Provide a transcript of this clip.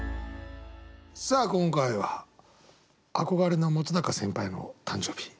さあ今回は憧れの本先輩の誕生日。